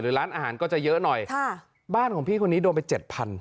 ร้านอาหารก็จะเยอะหน่อยค่ะบ้านของพี่คนนี้โดนไปเจ็ดพัน